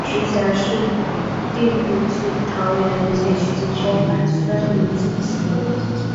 直辖市定古迹桃园景福宫分灵自此。